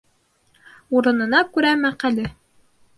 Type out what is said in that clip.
Урынына күрә мәҡәле.